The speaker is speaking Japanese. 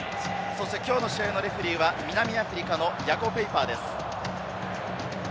きょうの試合のレフェリーは南アフリカのヤコ・ペイパーです。